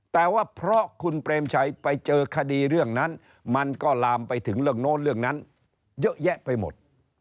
แต่ว่าเพราะคุณเปรมชัยไปเจอคดีเรื่องนั้นมันก็ลามไปถึงเรื่องโน้นเรื่องนั้นเยอะแยะไปหมด